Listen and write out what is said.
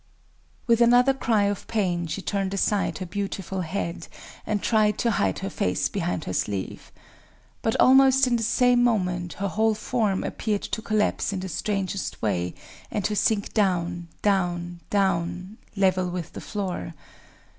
With another cry of pain she turned aside her beautiful head, and tried to hide her face behind her sleeve. But almost in the same moment her whole form appeared to collapse in the strangest way, and to sink down, down, down—level with the floor.